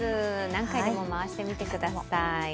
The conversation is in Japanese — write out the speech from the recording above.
何回でも回してください。